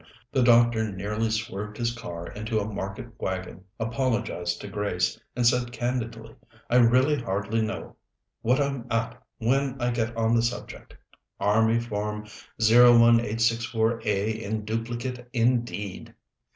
The doctor nearly swerved his car into a market wagon, apologized to Grace, and said candidly: "I really hardly know what I'm at when I get on to the subject. Army Form 01864A in duplicate indeed!